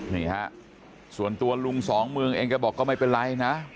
นี่ฮะส่วนตัวลุงสองเมืองเองก็บอกก็ไม่เป็นไรนะ